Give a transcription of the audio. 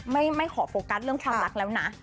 ไม่ขอโฟกัสเรื่องความรักแล้วนะ